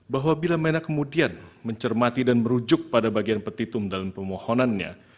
bahwa bila mena kemudian mencermati dan merujuk pada bagian petitum dalam permohonannya